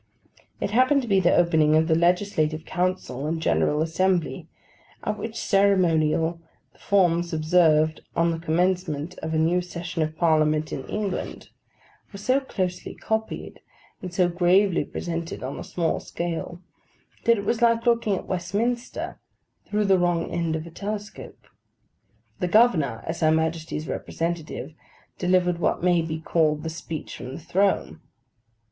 It happened to be the opening of the Legislative Council and General Assembly, at which ceremonial the forms observed on the commencement of a new Session of Parliament in England were so closely copied, and so gravely presented on a small scale, that it was like looking at Westminster through the wrong end of a telescope. The governor, as her Majesty's representative, delivered what may be called the Speech from the Throne.